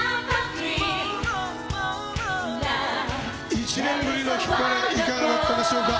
１年ぶりのヒッパレいかがだったでしょうか。